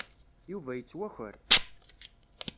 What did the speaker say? Yuba yettwaker.